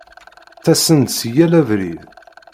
Ttasen-d si yal abrid.